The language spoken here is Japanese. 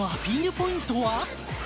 ポイントは？